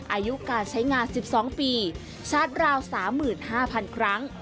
อายุการใช้งาน๑๒ปีชาร์จราว๓๕๐๐๐ครั้ง